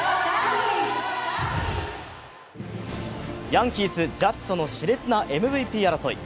ヤンキース・ジャッジとのし烈なＭＶＰ争い。